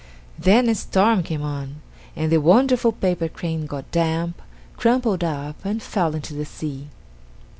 Then a storm came on, and the wonderful paper crane got damp, crumpled up, and fell into the sea.